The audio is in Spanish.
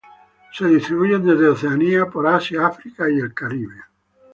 Se distribuyen desde Oceanía, por Asia, África y el Caribe.